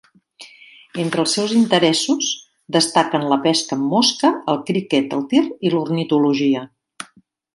Entre els seus interessos destaquen la pesca amb mosca, el criquet, el tir i l'ornitologia.